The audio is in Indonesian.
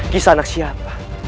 kisah anak siapa